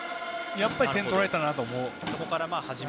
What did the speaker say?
やっぱり点取られたなと思う。